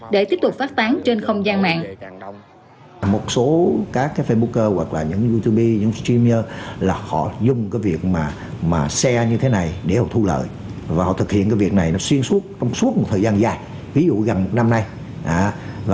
để tiếp tục phát tán trên không gian mạng